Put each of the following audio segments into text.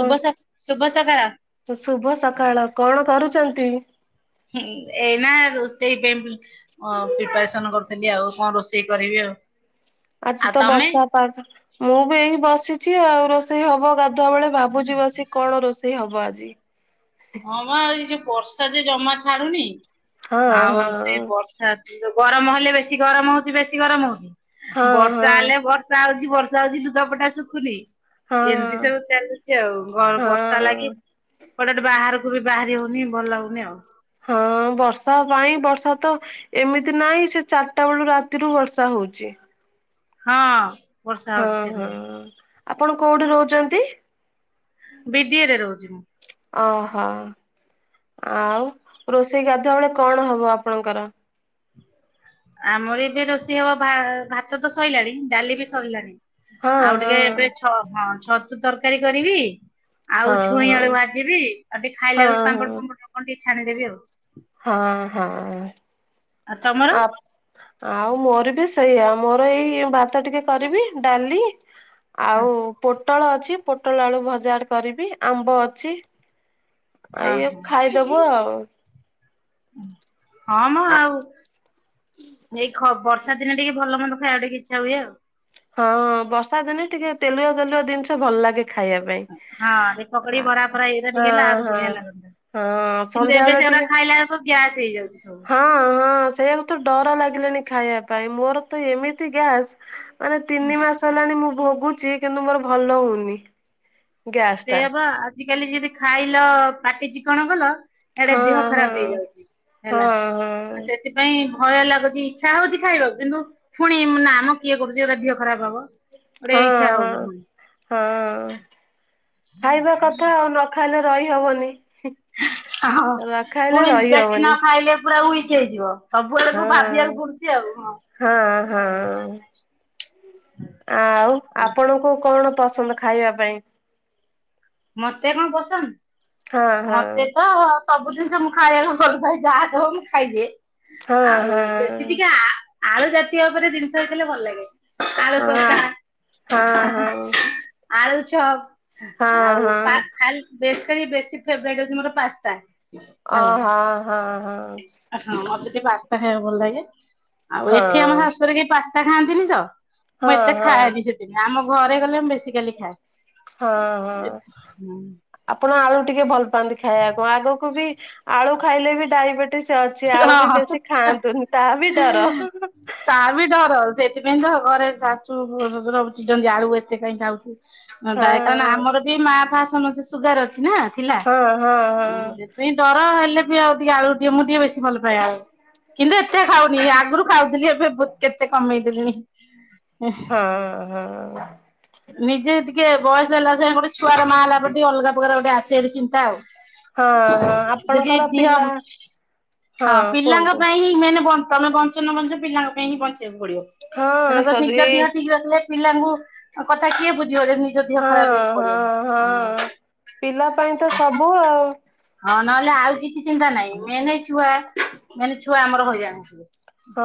ଶୁଭ ଶୁଭ ସକାଳ। ଶୁଭ ସକାଳ କଣ କରୁଛନ୍ତି? ଏଇ ନା ରୋଷେଇ ହଁ ପ୍ରିପାରେସନ କରୁଥିଲି ଆଉ କଣ ରୋଷେଇ କରିବି ଆଉ ଆଜି ଆଉ ତ ତମେ ବର୍ଷା ପା ମୁଁ ବି ଏଇ ବସିଛି ଆଉ ରୋ ରୋଷେଇ ହବ ଗାଧୁଆ ବେଳେ ଭାବୁଛି ବସି କଣ ରୋଷେଇ ହବ ଆଜି। ହଁ ମା ଏଇ ଯୋଉ ବର୍ଷା ଯେ ଜମା ଛାଡୁନି ହଁ ଆଉ ହଁ ସେ ବର୍ଷା ଗରମ ହେଲେ ବେଶୀ ଗରମ ହଉଛି ବେଶୀ ଗରମ ହଁ ହଉଛି ହଁ ବର୍ଷା ହେଲେ ବର୍ଷା ବା ହଉଛି ବର୍ଷା ହଉଛି ଲୁଗାପଟା ଶୁଖୁନି। ଏମିତି ହଁ ସବୁ ଚାଲୁଛି ଆଉ ଘ ବର୍ଷା ହଁ। ଲାଗି ଗେ ବାହାରକୁ ବି ବାହାରି ହଉନି ଭଲ ଲାଗୁନି ଆଉ। ହଁ ବର୍ଷା ପାଇଁ ବର୍ଷା ତ ଏମିତି ନାହିଁ ସେ ଚାରିଟା ବେଳୁ ରାତିରୁ ବର୍ଷା ହଉଛି। ହଁ ବର୍ଷା ହଁ ହଉଛି ହଁ ସେମିତିଆ। ଆପଣ କୋଉଠି ରହୁଛନ୍ତି। ବିଡିଏରେ ରହୁଛି ମୁଁ। ଓହୋ ଆଉ ରୋଷେଇ ଗାଧୁଆ ବେଳେ କଣ ହବ ଆପଣଙ୍କର। ଆମର ଏବେ ରୋଷେଇ ହବ ଭାତ ତ ସରଲାଣି ଡାଲି ବି ସରଲାଣି। ହଁ ଆଉ ହଁ ଟିକେ ଏବେଛ ହଁ ଛତୁ ତରକାରୀ କରିବି। ଆଉ ହଁ ଛୁଇଁ ହଁ। ବେୁ ଭାଜିବି ଆଉ ଟିକେ ହଁ ଖାଇଲା ବବେଳ ହଁ ପାମ୍ପଡ ଫମ୍ ଟ ଟିକେ ଛାଣିଦବି ଆଉ। ହଁ ହଁ ଆଉ ତମର ଆ ଆଉ ମୋର ବି ସେଇଆଉ ମୋର ଏଇ ଭାତ ଟିକେ କରିବି ଡାଲି ଆଉ ପୋଟଳ ଅଛି ପୋଟଳ ଆଳୁ ଭଜା କରିବି ଆମ୍ବ ଅଛି। ଆଉ ଇଏ ଓହୋ ଖାଇଦବୁ ଆଉ। ହଁ ମା ଆ ଆଉ ଯଇ ଖବ ବର୍ଷା ଦିନେ ଟିକେ ଭଲ ମନ୍ଦ ଖାଇବା ଟିକ ଇଚ୍ଛା ହୁଏ ଆଉ। ହଁ ବର୍ଷା ଦିନେ ଟିକେ ତେଲୁଆ ତେଲୁଆ ଜିନିଷ ଭଲ ଲାଗେ ଖାଇବା ପାଇଁ। ହଁ ଏ ପକଡି ଭରା ଫରା ଏଇଟା ଟିକେ ହେଲା ହଁ ଆହୁରି ହଁ ବଢିଆ ଲାଗନ୍ତା ହଁ କିନ୍ତୁ ଏବେ ସନ୍ଧ୍ୟାବେଳେ ସେଗୁଡା ଟିକେ ଖାଇଲା ବେଳକୁ ଗ୍ୟାସ ହେଇଯାଉଛି। ହଁ ହଁ ସେଇଆକୁ ତ ଡର ଲାଗିଲାଣି ଖାଇବା ପାଇଁ ମୋର ତ ଏମିତି ଗ୍ୟାସ୍। ମାନେ ତିନି ମାସ ହେଲାଣି ମୁଁ ଭୋଗୁଛି କିନ୍ତୁ ମୋର ଭଲ ହଉନି। ଗ୍ୟାସ୍ ସେ ଟା। ହେ ବା ଆଜ କାଲି ଯଦି ଖାଇଲ ପାଟି ଚିକଣ କଲ। ଏଇଡେ ହଁ ଦେହ ହଁ ଖରାପ ହେଇଯାଉଛି ହେଲା। ହଁ ହଁ ସେଥିପାଇଁ ଭୟ ଲାଗୁଛି ଇଚ୍ଛା ହଉଛି ଖାଇବାକୁ କିନ୍ତୁ ପୁଣି ନା ଆମ କିଏ କରୁଛି ଗଟା ଦେିହ ଖରାପ ହବ ଗୋଟେ ହଁ ଇଚ୍ଛା ହଉନି ହଁ। ପୁଣି ହଁ ଖାଇବା କଥା ଆଉ ନ ଖାଇଲେ ରହି ହବନି। ହ ପୁଣି ବେଶୀ ନ ଖାଇଲେ ପୁରା ୱିକ ହେଇଯିବ ସବୁବେଳକୁ ହଁ ଭାବିବାକୁ ପଡୁଛି ଆଉ ହଁ। ହଁ ହଁ ଆଉ ହଁ ଆପଣଙ୍କୁ କଣ ପସନ୍ଦ ଖାଇବା ପାଇଁ। ମତେ କଣ ପସନ୍ଦ ହଁ ହଁ ମତେତ ସବୁ ଜିନିଷ ମୁଁ ଖାଇବାକୁ ଭଲ ପାଏ ଯାହା ଦେବ ମୁଁ ଖାଇଦିଏ ହଁ ଆଉ ହଁ ବେଶୀ ଟିକେ ଆ ଆଳୁ ଜାତୀୟ ଉପରେ ଜିନିଷ ହେଇଥିଲେ ଭଲ ଲାଗେ। ଆଳୁ ହଁ କଷା ହଁ ହଁ। ଆଳୁ ଚପ୍ ହଁ ଆଉ ହଁ ପା ଖାଲି ବେଶ୍ କରି ବେଶୀ ଫେବରାଇଟ୍ ହଉଚି ମୋର ପାସ୍ତା। ଓ ହେଲା ହଁ ହଁ ହଁ। ହଁ ମୋତେ ଟିକେ ପାସ୍ତା ଖାଇବାକୁ ଭଲ ଲାଗେ। ଆଉ ହଁ ଏଠି ଆମ ଶାଶୁଘରେ କେହି ପାସ୍ତା ଖାଆନ୍ତିନି ତ ମୁଁ ହଁ ଏତେ ହଁ ଖାଏନି ସେ ଆମ ଘରେ ଗଲେ ମୁବେଶୀ କାଲି ଖାଏ। ହଁ ହଁ ହଁ ଆପଣ ଆଳୁ ଟିକେ ଭଲ ପାଆନ୍ତି ଖାଇବାକୁ ଆଗକୁବି ଆଳୁ ଖାଇଲେବି ଡାଇବେଟିସ୍ ଅଛି ଆଳୁବି ବେଶୀ ଖାଆନ୍ତୁନି ତାହାବି ଡର। ତାବି ଡର ସେ ସେଥିପାଇଁତ ଘରେ ଶାଶୁ ଶଶୁର ଚିଡନ୍ତି ଆଳୁ ଏତେ କାଇଁ ଖାଉଚୁ ଡାଏ କାରଣ ହଁ ଆମର କି ମା ଫା ସମେତେ ସୁଗାର ଅଛିନା ଥିଲା ହଁ ହଁ ହୁଁ ହଁ। ସେଥି ପାଇଁ ଡର ହେଲେବି ଆଉ ଟିକେ ଆଳୁ ଦିଅ ମୁଁ ଟିକେ ବେଶି ଭଲ ପାଏ ଆଳୁ କିନ୍ତୁ ଏତେ ଖାଉନି ଆଗରୁ ଖାଉଥିଲି ଏବେ କେତେ କମେଇ ଦେଲିଣି। ହଁ ହଁ। ନିଜେ ଟିକେ ବୟସ ହେଲା ସାଙ୍ଗେ ଗୋଟେ ଛୁଆର ମା ହେଲା ପରେ ଟିକେ ଅଲଗା ପ୍ରକାର ଗୋଟେ ଆସେ ଚିନ୍ତା ଆଉ। ହଁ ହଁ ଯଦି ଆପଣଙ୍କର ଦିହ ପିଲା ହଁ ପିଲାଙ୍କ ପାଇଁ ହିଁ ମେନ ବ ତମେ ବଞ୍ଚ ନବଞ୍ଚ ପିଲାଙ୍କ ପାଇଁହିଁ ବଞ୍ଚେଇିବାକୁ ପଡ଼ିବ। ହଁ ତେଣୁକରି ସରି ନିଜ ଦେହ ଠିକ୍ ରଖିଲେ ପିଲାଙ୍କୁ କଥା କିଏ ବୁଝିବ ଯେଦି ନିଜ ଦେହ ହଁ ଖରାପ୍ ହେଇକି ହଁ ପଡ଼ିବ ହୁଁ। ହଁ। ପିଲା ପାଇଁ ତ ସବୁ ଆଉ ହଁ ନହେଲେ ଆଉ କିଛି ଚିନ୍ତା ନାହିଁ ମେନ୍ ଛୁଆ ମେନ୍ ଛୁଆ ଆମର ହଇରାଣ ହେଇଯିବେ। ହଁ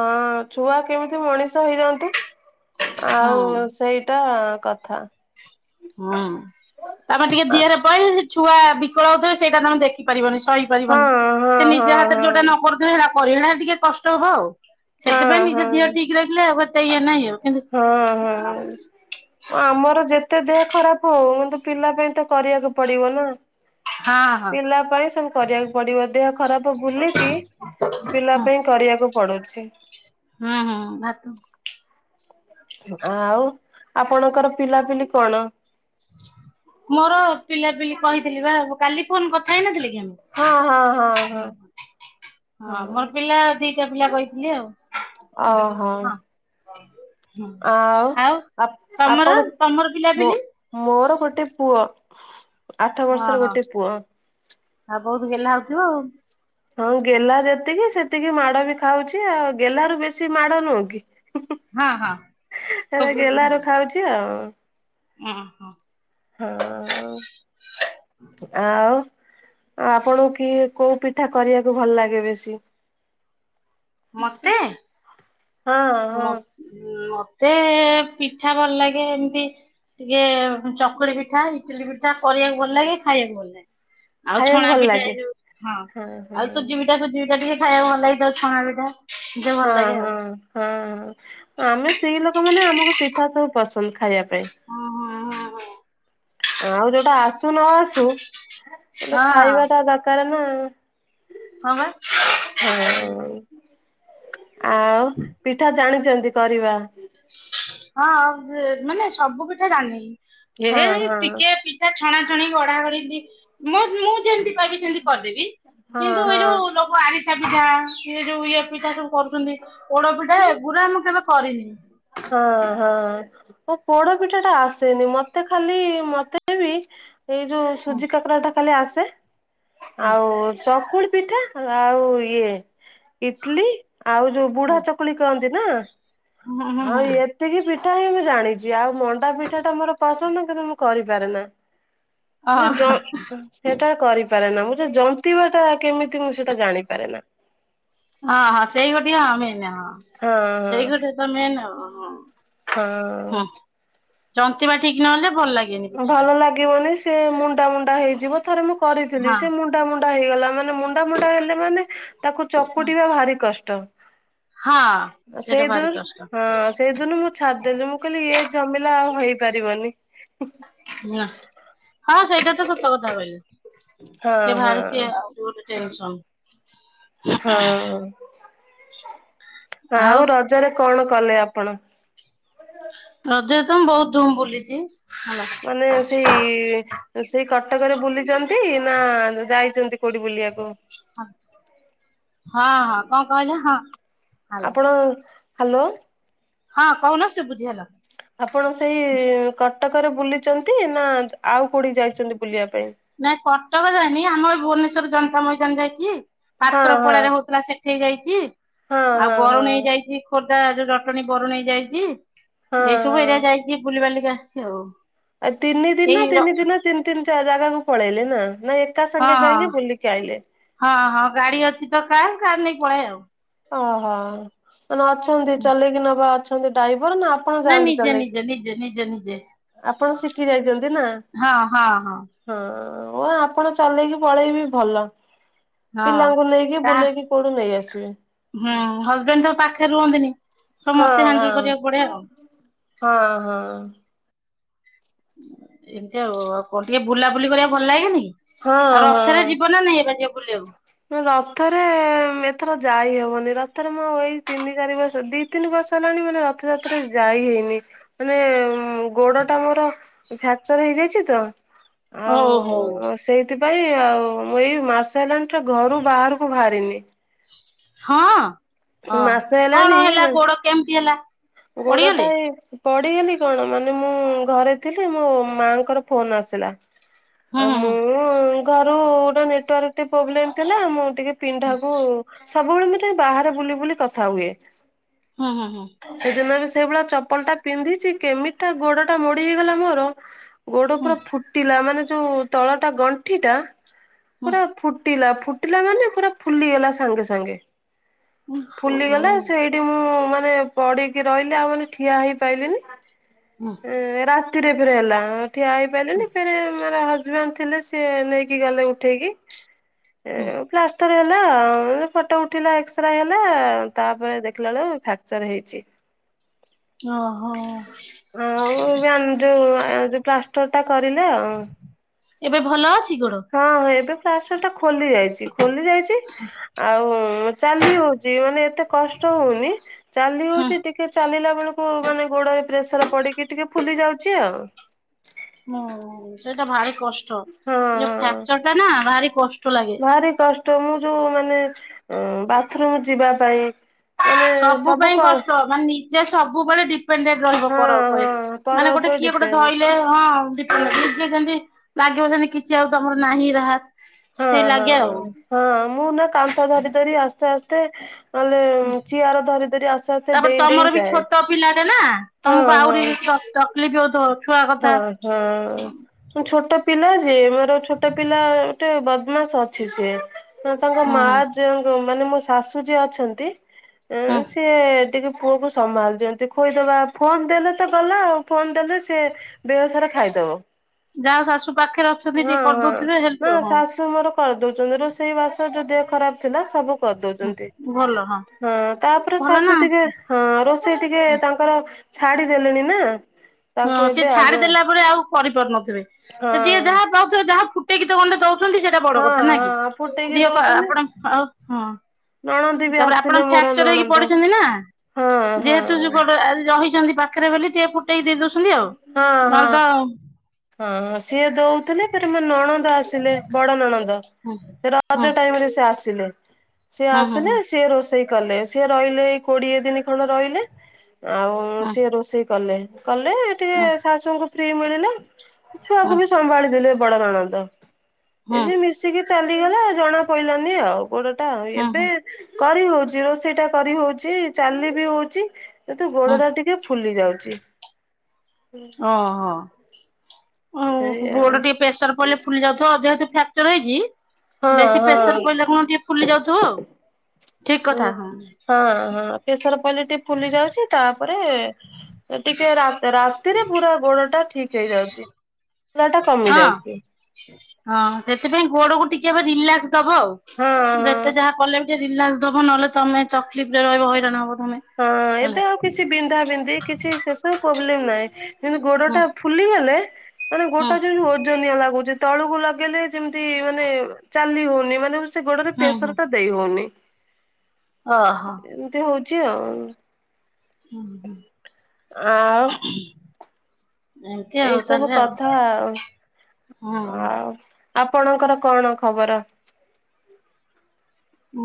ଛୁଆ କେମିତି ମଣିଷ ହେଇଯାନ୍ତୁ। ହୁଁ ଆଉ ସେଇଟା କଥା। ହୁଁ ତମେ ଟିକେ ହଁ ଦିହରେ ପଈଲେ ଛୁଆ ବିକଳ ହଉଥିବେ ସେଇଟା ତମେ ଦେଖିପାରିବନି ଶହି ହଁ ପାରିବନି, ହଁ ସେ ନିଜ ହାତରେ ହଁ ଯୋଉଟା ନକରୁଥିବେ ସେଇଟା କରିବ ସେଟା ଟିକେ କଷ୍ଟ ହବ ଆଉ। ହଁ ସେଥିପାଇଁ ନିଜ ହଁ। ଦେହ ଠିକ୍ ରଖିଲେ ଆଉ ଏତେ ଇଏ ନାହିଁ ଆଉ। କିନ୍ତୁ ହଁ ହଁ ଆମର ଯେ ଯେତେ ଦେହ ଖରାପ୍ ହଉ କିନ୍ତୁ ପିଲା ପାଇଁତ କରିବାକୁ ପଡ଼ିବ ନା। ହଁ ହଁ ପିଲା ପାଇଁ ସବୁ କରିବାକୁ ପଡ଼ିବ ଦେହ ଖରାପ୍ ବୁଲିକି ପିଲା ହଁ ପାଇଁ କରିବାକୁ ପଡୁଛି। ହୁଁ ହୁଁ ଭାତ ଆଉ ଆପଣଙ୍କର ପିଲାପିଲି କଣ? ମୋର ପିଲାପିଲି କହିଥିଲିବା କାଲି ଫୋନ୍ କଥା ହେଇନଥିଲିକି ଆମେ। ହଁ ହଁ। ହୁଁ ହଁ ହୁଁ ହଁ ମୋର ପିଲା ଦିଟା ପିଲା କହିଥିଲି ଆଉ ଓହୋ ହଁ। ହଁ ଆଉ ଆ ଆପଣ ତମର ତମର ପିଲା ମୋ ପିଲି? ମୋର ଗୋଟେ ପୁଅ ଆଠ ହଁ ବର୍ଷର ହଁ ଗୋଟେ ପୁଅ। ଆଉ ବହୁତ୍ ଗେହ୍ଲା ହଉଥିବ ଆଉ। ହଁ ଗେଲା ଯେତିକି ସେତିକି ମାଡ଼ବି ଖାଉଚି ଆଉ ଗେହ୍ଲାରୁ ବେଶୀ ମାଡ଼ ନୁହଁ କି? ହଁ ହଁ। ହେରା ଗେହ୍ଲାରୁ ଖାଉଚି ଆଉ। ଓ ହୋ। ହଁ ଆଉ। ଆଉ? ଆଉ ଆପଣଙ୍କୁ କି କୋଉ ପିଠା କରିବାକୁ ଭଲ ଲାଗେ ବେଶୀ? ମତେ? ହଁ ହଁ ମତେ ପିଠା ଭଲ ଲାଗେ ଏମିତି ଟିକେ ଚକୁଳି ପିଠା, ଇଟିଲି ପିଠା କରିବାକୁ ଭଲ ଲାଗେ। ଖାଇବାକୁ ଭଲ ଲାଗେ। ଆଉ ଖାଇବାକୁ ଛଣା ଭଲ ପିଠା ଏଇ ଲାଗେ। ଯୋଉ, ହଁ ଆଉ ସୁଜି ପିଠା ସୁଜି ପିଠା ଟିକେ ଖାଇବାକୁ ଭଲ ଲାଗେ ଛଣା ପିଠା। ଟିକେ ଭଲ ହଁ ଲାଗେ ହଁ। ଆଉ। ହଁ ଆମେ ସ୍ତ୍ରୀ ଲୋକ ମାନେ ଆମକୁ ପିଠା ସବୁ ପସନ୍ଦ ଖାଇବା ପାଇଁ। ଓ ହଁ, ହଁ, ହଁ। ଆଉ ଯୋଉଟା ଆସୁ ନ ଆସୁ ଗୋଟେ ହୁଁ ଖାଇବା ଟା ଦରକାର ନା। ହଁ ବା। ହଁ। ଆଉ ପିଠା ଜାଣିଛନ୍ତି କରିବା? ହଁ ମାନେ ସବୁ ପିଠା ଜାଣେନି। ହଁ ହେଲେ ବି ହଁ। ଟିକେ ତା ଛଣା ଛଣି ଗଡା ଗଡିକି ମୁଁ ମୁଁ ଯେମିତି ପାଇବି ସେମିତି କରିଦେବି। ହଁ କିନ୍ତୁ ଏଇ ହଁ। ଯୋଉ ଲୋକ ଆରିସା ପିଠା ଏଇ ଯୋଉ ଇଏ ପିଠା ସବୁ କରୁଛନ୍ତି। ପୋଡପିଠା ଏଗୁଡ଼ା ମୁଁ କେବେ କରିନି। ହଁ ହଁ। ଓ ପୋଡ ପିଠା ଟା ଆସେନି ମତେ ଖାଲି ମତେ ବି ଏଇ ଯୋଉ ହୁଁ ସୁଜି କାକରା ଟା ଖାଲି ଆସେ। ହୁଁ ଆଉ ଚକୁଳ ପିଠା ଆଉ ଇଏ ଇଟଲି ଆଉ ଯୋଉ ବୁଢା ହୁଁ ଚକୁଳି କହନ୍ତି ନା। ହୁଁ ହୁଁ ଆଉ ହୁଁ ଏତିକି ପିଠା ହଁ ମୁଁ ଜାଣିଚି, ଆଉ ମଣ୍ଡା ପିଠା ଟା ମୋର ପସନ୍ଦ କିନ୍ତୁ ମୁଁ କରିପାରେ ନା, ଓ କି ଯ ସେଟା କରିପାରେ ନା ମୁଁ ସେ ଜନ୍ତିବା ଟା କେମିତି ମୁଁ ସେଟା ଜାଣିପାରେ ନା। ହଁ ହଁ ସେଇ ଗୋଟିଏ ମେନ୍ ହଁ ହଁ ସେଇ ଗୋଟେ ତ ମେନ୍ ହଁ। ହଁ। ଜାନ୍ତିବା ଠିକ୍ ନହେଲେ ଭଲ ଲାଗେନି ପିଠା ଟା। କି ବନି ସେ ମୁଣ୍ଡା ମୁଣ୍ଡା ହେଇଯିବ ଥରେ ମୁଁ କରିଥିଲି ହଁ ସେ ମୁଣ୍ଡା ମୁଣ୍ଡା ହେଇଗଲା ମା ମାନେ ମୁଣ୍ଡା ମୁଣ୍ଡା ହେଲେ ମାନେ ତାକୁ ଚକୁଟିବା ଭାରି କଷ୍ଟ। ହଁ। ସେଇଟା ଭାରି ସେଇଦୁନ କଷ୍ଟ ହଁ ସେଇଦିନୁ ଛାଡିଦେଲି ମୁଁ କହିଲି ଇଏ ଝମିଲା ଆଉ ହେଇପାରିବନି। ନା ହଁ ସେଇଟା ତ ସତ କଥା କହିଲେ। ହଁ ସିଏ ହଁ ବାହାରି ସିଏ ଆଉ ଗୋଟେ ଟେନସନ୍। ହଁ। ଆଉ ରଜରେ କଣ କଲେ ଆପଣ? ରଜ ରେ ତ ମୁଁ ବୋହୁତ୍ ଧୁମ୍ ବୁଲିଚି। ମାନେ ସେଇ ସେଇ କଟକରେ ବୁଲିଚନ୍ତି ନା ଯାଇଚନ୍ତି କୋଉଠି ବୁଲିବାକୁ? ହଁ ହଁ କଣ କହିଲ ହଁ। ହାଲୋ ଆପଣ- ହାଲୋ। ହଁ କହୁନ ଶୁବୁଚି ହେଲା। ଆପଣ ସେଇ କଟକରେ ବୁଲିଛନ୍ତି ନା ଆଉ କୋଉଠି ଯାଇଛନ୍ତି ବୁଲିଆ ପାଇଁ? ନାଇଁ କଟକ ଯାଇନି ଆମ ଏ ଭୁବନେଶ୍ୱର ଜନତା ମଇଦାନ ଯାଇଛି। ହଁ ହଁ ପାତ୍ରପଡାରେ ହଉଥିଲା ସେ ଏଠିଇ ଯାଇଛି। ହଁ ଆଉ ହଁ ହଁ ବରୁଣେଇ ଯାଇଚି ଖୋର୍ଦ୍ଧା ଯୋଉ ଜଟଣୀ ବରୁଣେଇ ଯାଇଚି। ହଁ ଏଇସବୁ ଏରିଆ ହଁ। ଯାଇକି ବୁଲିବାଲିକି ଆସିଚି ଆଉ। ଆଉ ତିନି ଦିନ, ଏଇ ର ତିନି ଦିନ, ତିନି ତିନି ଜା ଜାଗାକୁ ପଳେଇଲେ ନା ନାଇଁ ଏକ୍ ଏକା ହଁ ସାଙ୍ଗେ ହଁ। ଯାଇକିଁ ବୁଲିକି ଆଇଲେ। ହଁ, ହଁ, ଗାଡି ଅଛି ତ କାର୍। କାର ନେଇକି ପଳାଏ ଆଉ। ଅ ହଁ, ମାନେ ଅଛନ୍ତି, ଚଲେଇକି ନବା ଅଛନ୍ତି, ଡ୍ରାଇଭର୍ ନା ଆପ୍ ଆପଣ ନାଇଁ ଯାଆନ୍ତି ନିଜେ ଚଲେଇକି? ନିଜେ ନିଜେ ନିଜେ ନିଜେ ଆପଣ ଶିଖି ଯାଇଚନ୍ତି ନା! ହଁ ହଁ ହଁ, ଅଁ ଆପଣ ଚଲେଇକି ପଳେଇବି ଭଲ। ହଁ ପିଲାଙ୍କୁ ନେଇକି ତା ବୁଲେଇକି କୁଡୁ ନେଇ ଆସିବେ। ହୁଁ, ହଜବେଣ୍ଡ୍ ତ ପାଖରେ ରୁହନ୍ତିନି। ସବୁ ହଁ ମତେ ହ୍ୟାଣ୍ଡେଲ୍ କରିଆକୁ ପଡେ ଆଉ। ହଁ, ହଁ। ଏମିତିଆ ଆଉ। ଆଉ, କଣ ଟିକେ ବୁଲାବୁଲି କରିଆକୁ ଭଲ ଲାଗେନି କି? ହଁ ହଁ ଆଉ, ରଥରେ ଯିବ ନା ନାଇଁ, ଏବାଜିୟ ବୁଲିଆକୁ। ରଥରେ-ଏଁ ଏଥର ଯାଇ ହବନି। ରଥରେ ମୁଁ ଆଉ ଏଇ ତିନି ଚାରି ବର୍ଷ ଦି ତିନି ବର୍ଷ ହେଲାଣି ମାନେ, ରଥଯାତ୍ରାରେ ଯାଇ ହେଇନି। ମାନେ-ଏଁ ଗୋଡ ଟା ମୋର ଫ୍ରାକ୍ଚର ହେଇଯାଇଚି ତ! ଓ ହଉ ଆଉ-ଉଁ, ସେଇଥିପାଇଁ ଆଉ, ମୁଁ ଏଇ ମାସେ ହେଲାଣି ଠୁ ଘରୁ ବାହାରକୁ ବାହାରିନି। ହଁ, ହ ମାସେ ହେଲାଣି କଣ ହେଲା, ଗୋଡ କେମତି ହେଲା? ଗୋଡ ପଡିଗଲେ? ଟା ଏଇ ପଡିଗଲି କଣ! ମାନେ ମୁଁ ଘରେ ଥିଲି ମୋ ମାଁ ଙ୍କର ଫୋନ୍ ଆସିଲା। ହୁଁ ଆଉ ହୁଁ ମୁଁ-ଉଁ, ଘରୁ ଗୋଟେ ନେଟୱାର୍କ ଟିକେ ପ୍ରୋବ୍ଲେମ୍ ଥିଲା, ମୁଁ ଟିକେ ପିଣ୍ଢାକୁ ସବୁବେଳେ ମୁଁ ତ ଏଇ ବାହାର ବୁଲି ବୁଲି କଥା ହୁଏ। ହୁଁ ହୁଁ ହୁଁ। ସେଦିନ ବି ସେଇଭଳିଆ ଚପଲ ଟା ପିନ୍ଧିଛି, କେମିତିଟା ଗୋଡ ଟା ମୋଡି ହେଇଗଲା ମୋର। ଗୋଡ ହୁଁ ପୁରା ଫୁଟିଲା, ମାନେ ଯୋଉ ତଳ ଟା ଗଣ୍ଠି ଟା ହୁଁ ପୁରା ଫୁଟିଲା। ଫୁ ଟିଲା ମାନେ, ପୁରା ଫୁଲିଗଲା ସାଙ୍ଗେ ସାଙ୍ଗେ, ହୁଁ ହୁଁ ହୁଁ ଓହୋ। ଫୁଲିଗଲା ସେଇଠି ମୁଁ ମାନେ, ପଡି କି ରହିଲି ଆଉ ମାନେ, ଠିଆ ହେଇପାଇଲିିନି। ହଁ। ରାତିରେ ଫେରେ ହେଲାଁ। ଠିଆ ହୁଁ ହେଇପାଇଲିନି ଫେରେ ମାନେ ହଜ୍ ହଜ୍ ବେଣ୍ଡ ଥିଲେ, ସିଏ ନେଇକି ଗଲେ ଉଠେଇକି। ହୁଁ ଟର ହେଲା-ଆଁ, ଫଟୋ ଉଠିଲା ଏକ୍ସାରେ ହେଲା-ଆ, ତା'ପରେ ଦେଖିଲା ବେଳକୁ ଫ୍ରାକ୍ଚର ହେଇ ଛି। ଓ, ହଁ। ହଉ, ଏବେ ଆନ୍ ଯୋଉ, ଯୋଉ ପ୍ଲାଷ୍ଟର ଟା କରିଲେ ଆଉଁ। ଏବେ ଭଲ ଅଛି ଗୋଡ଼? ହଁଁ, ଏବେ ପ୍ଲାଷ୍ଟରଟା ଖୋଲି ଯାଇଛି, ଖୋଲି ଯାଇଛି। ଆଉଁ, ଚାଲି ହଉଛି, ମାନେ ଏତେ କଷ୍ଟ ହଉନି। ଚାଲି ହୁଁ ହଉଛି ଟିକ୍ ଟିକେ ଚାଲିଲା ବେଳକୁ, ମାନେ ଗୋଡ଼ରେ ପ୍ରେସର୍ ପଡ଼ିକି ଟିକେ ଫୁଲି ଯାଉଛି ଆଉ। ହୁଁ, ସେଇଟା ଭାରି କଷ୍ଟ। ହଁ ଇଏ ହଁ ଫ୍ରାକ୍ଚର ଟା ନା ଭାରି କଷ୍ ଭାରି କଷ୍ଟ, ମୁଁ ଯୋଉ ମାନେ ବାଥରୁମ୍ ଯିବା ପାଇଁ। ମାନେ ସବୁ ପାଇଁ କର୍ କଷ୍ଟ ମାନେ ନିଜେ ସବୁବେଳେ ଡିପେଣ୍ଡେଣ୍ଟ ରହିବ ହଁ ପର ଉପରେ। ହଁ ପର ମାନେ ଗୋଟେ ଉପରେ କିଏ ଗୋଟେ ଡିପେଣ୍ଡ ଧଇଲେ ହଁ, ଡିପ୍ ନିଜେ ଯେମିତି ଲାଗିବ, ଯେମିତି କିଛି ଆଉ ତମର ନାହିଁ। ରାହାତ! ହଁ ହଁ ହଁ ମୁଁ ନା କାନ୍ଥ ଧରି ଧରି ଆସ୍ତେ ଆସ୍ତେ ନହେଲେ ଚିଆର ଧରି ଧରି ଆସ୍ତେ ଆସ୍ତେ ତା'ପରେ ଡେଇଁ ଡେଇଁ ତମର ବି ଯାଏ ଛୋଟ ପିଲାଟେ ନା, ହଁ ତମକୁ ହଁ ଆହୁରି କଷ୍ ତକ୍ ଲିଫ୍ ହଉଥିବ। ଛୁଆ କଥା। ହଁ ହଁ ଛୋଟ ପିଲା ଯେ ମୋର ଛୋଟ ପିଲା। ଗୋଟେ ବଦମାସ ଅଛି। ସିଏ ତାଙ୍କ ହୁଁ ମା ହୁଁ ଜେଉ ଯୁ ମାନେ ମୋ ଶାଶୁ ଯିଏ ଅଛନ୍ତି ହୁଁ ସିଏ ଟିକେ ପୁଅକୁ ସମ୍ଭାଳି ଯେମିତି ଖୋଇଦବା ଫୋନ ଦେଲେ ତ ଗଲା ଆଉ ଫୋନ ଦେଲେ ସେ ଦେହ ସାରା ଖାଇଦବ। ଯାହା ଶାଶୁ ପାଖରେ ଅଛନ୍ତି ଟିକେ ହଁ ହଁ। କରିଦଉଥିବେ ନା ହେଲପ୍। ହଁ। ଶାଶୁ ମୋର କରିଦଉଛନ୍ତି ରୋଷେଇ ବାସ ଯଦି ଯାହା ଖରାପ ଥିଲା ସବୁ କରିଦଉଛନ୍ତି। ହଁ ତାପରେ ଭଲ ନା। ଶାଶୁ ଟିକେ ହଁ ରୋଷେଇ ଟିକେ ତାଙ୍କର ଛାଡ଼ି ଦେଲେଣି ନା। ହଁ ତାଙ୍କୁ ସେ ଏବେ ଛାଡ଼ି ଆଗ ଦେଲା ପରେ ଆଉ କରିପାରୁନଥିବେ। ହଁ ସେ ଟିକେ ଯାହା ପାଉଛ ଯାହା ଫୁଟେଇକି ଗଣ୍ଡେ ଦଉଛନ୍ତି ସେ ଏଟା ବଡ଼ ହଁ କଥା ନା କି। ହଁ ଫୁଟେଇକି ଦିହ ପା ଦଉଛନ୍ତି। ଆପଣ ଆଉ ହଁ। ନଣନ୍ଦୀ ବି ତାପରେ ଆପଣ ଆସିଥିଲେ ମୋର ଫ୍ରାକ୍ଚର ହେଇକି ନଣନ୍ଦ ପଡ଼ିଛନ୍ତି ନା। ହଁ ହଁ ଯେହେତୁ ଯୁ [unintelligible] ରହିଛନ୍ତି ପାଖରେ ବୋଲି ଟିକଏ ଫୁଟେଇ ଦେଇଦଉ ହଁ ହଁ। ହଁ ସିଏ ଦଉଥିଲେ ଫେର୍ ମୋ ନଣନ୍ଦ ଆସିଲେ ବଡ଼ ନଣନ୍ଦ। ହୁଁ ନ୍ଦ ରଜ ହୁଁ ଟାଇମରେ ସେ ଆସିଲେ ସେ ହୁଁ ଆସିଲେ। ହୁଁ ସେ ରୋଷେ ରୋଷେଇ କଲେ ସିଏ ରହିଲେ ଏଇ କୋଡ଼ିଏ ଦିନ ଖଣ୍ଡ ରହିଲେ ଆଉ ହୁଁ। ସିଏ ରୋଷେଇ କଲେ। ଲେ ଟିକେ ହୁଁ ହୁଁ ଶାଶୁଙ୍କୁ ଫ୍ରି ମିଳିଲେ ଛୁଆକୁ ହୁଁ ବି ସମ୍ଭାଳିଦେଲେ। ବଡ଼ ନଣନ୍ଦ ଏ ଯେ ହୁଁ ମିଶିକି ଚାଲିଗଲା ଜଣା ପଇଲାନି ଆଉ। ଗୋଡ଼ଟା ଆଉ ହୁଁ ଏବେ ହୁଁ କରି ହଉଛି ରୋଷେଇ ଟା କରି ହଉଛି ଚାଲି ବି ହଉଛି। କିନ୍ତୁ ହୁଁ ଗୋଡ଼ଟା ଟିକେ ଫୁଲି ଯାଉଛି। ହୁଁ। ହଁ ହଁ ଆଉ ଏଇଆ ଗୋଡ଼ ଟିକେ ପ୍ରେସର ପଡ଼ିଲେ ଫୁଲି ଯାଉଥିବ ଯେହେତୁ ଫ୍ରାକ୍ଚର ହେଇଛି। ହଁ ବେଶୀ ପ୍ରେସର ହଁ। ପଡ଼ିଲେ କଣ ଟିକେ ଫୁଲି ଯାଉଥିବ ଆଉ। ଠିକ୍ ହୁଁ କଥା ହଁ। ହଁ ହଁ ପ୍ରେସର ପିଲେ ଟିକେ ଫୁଲି ଯାଉଛି। ତାପରେ ଟିକେ ରା ରାତିରେ ପୁରା ଗୋଡ଼ଟା ଠିକ୍ ହେଇ ହଁ। ହଁ ସେଥିପାଇଁ ଗୋଡ଼କୁ ଟିକେ ବା ରିଲେକ୍ସ। ଦବ ଆଉ। ହଁ ହଁ। ଯେତେ ଯାହା କଲେ ବି ଟିକେ ରିଲାକ୍ସ ଦବ ନହେଲେ ତମେ ତକଲିଫ ରେ ରହିବ ହଇରାଣ ହବ ତମେ। ହଁ ହେଲା ଏବେ ଆଉ କିଛି ବିନ୍ଧା ବିନ୍ଧି କିଛି ସେସବୁ ପ୍ରୋବ୍ଲେମ ନାହିଁ। ଯେମିତି ହୁଁ ଗୋଡ଼ଟା ଫୁଲିଗଲେ ମାନେ ହୁଁ ଗୋଡ଼ଟା ଯେମିତି ଓ ଓଜନିଆ ଲାଗୁଛି ତଳକୁ ଲଗେଇଲେ ଯେମିତି ମାନେ ଚାଲି ହଉନି ମାନେ ସେ ଗୋଡରେ ହୁଁ ପ୍ରେସର ଟା ଦେଇହଉନି। ଓ ହୋ। ଏମିତି ହଉଛି ଆଉ। ହୁଁ ହୁଁ। ଆଉ। ଏମିତି ଆଉ ଏଇସବୁ ତାହେଲେ ଆଉ କଥା ଆଉ ହୁଁ। ଆଉ ଆପଣଙ୍କର କଣ ଖବର?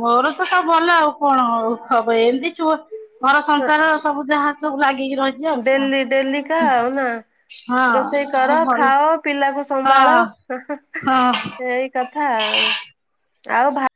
ମୋର ତ ସବୁ ଭଲ ଆଉ କଣ ହବ ଏମିତି ମୋର ଘର ସଂସାର। ସବୁ ଯାହା ସବୁ ଲାଗିକି ରହି ଡେଲ୍ଲି ଡେଲି କା ଉନା। ହଁ ରୋଷେଇ ଆଉ କର ଭଲ ଖାଅ ପିଲାକୁ ସମ୍ଭାଳ ହଁ ହଁ ଏଇ କି କଥା ଆଉ ଭା